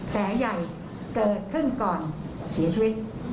แผลใหญ่เกิดขึ้นก่อนเสียชีวิต